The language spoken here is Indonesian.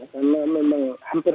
karena memang hamil